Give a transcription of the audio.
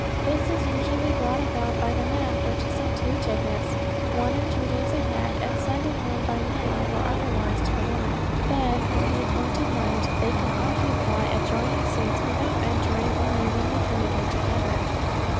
This is usually brought about by the man purchasing two tickets one or two days ahead and sending one by mail or otherwise to the woman; then, on the appointed night, they can occupy adjoining seats without entering or leaving the theater together.